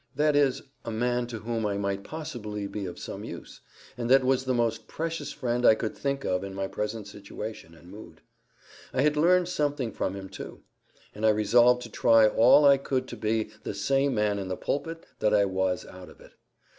—that is, a man to whom I might possibly be of some use; and that was the most precious friend I could think of in my present situation and mood. I had learned something from him too; and I resolved to try all I could to be the same man in the pulpit that I was out of it.